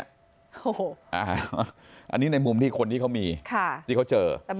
อันนี้ในมุมใบที่เขามีกูเขาเจอ